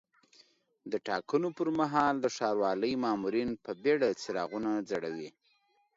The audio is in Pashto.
د ټاکنو پر مهال د ښاروالۍ مامورین په بیړه څراغونه ځړوي.